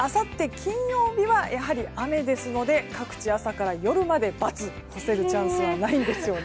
金曜日は、やはり雨ですので、各地朝から夜までバツ、干せるチャンスはないんですね。